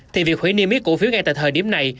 thì việc hủy niêm yết cổ phiếu ngay tại thời điểm này